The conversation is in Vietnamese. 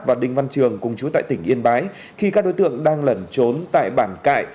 và đinh văn trường cùng chú tại tỉnh yên bái khi các đối tượng đang lẩn trốn tại bản cại